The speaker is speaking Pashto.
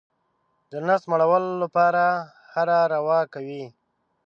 د نس مړولو لپاره هره روا کوي.